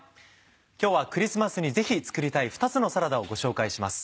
今日はクリスマスにぜひ作りたい２つのサラダをご紹介します。